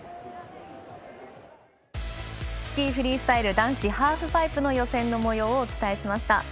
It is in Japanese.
スキー・フリースタイル男子ハーフパイプの予選をお伝えしました。